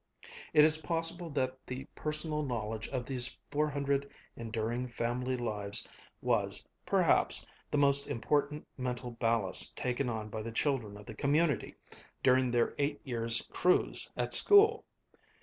It is possible that the personal knowledge of these four hundred enduring family lives was, perhaps, the most important mental ballast taken on by the children of the community during their eight years' cruise at school.